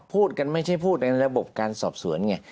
พูดกันไม่ใช่พูดในระบบการสอบสวนไง